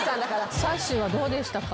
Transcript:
さっしーはどうでしたか？